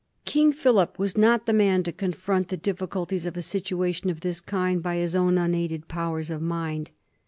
King Philip was not the man to confront the diffi culties of a situation of this kind by his own unaided powers of mind.